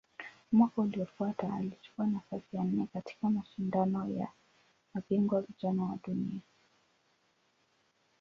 Mwaka uliofuata alichukua nafasi ya nne katika Mashindano ya Mabingwa Vijana wa Dunia.